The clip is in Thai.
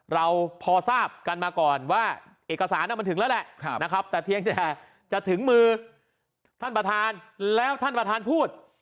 เราพอทราบกันมาก่อนว่าเอกสารมันถึงแล้วแหละนะครับแต่เพียงแต่จะถึงมือท่านประธานแล้วท่านประธานพูด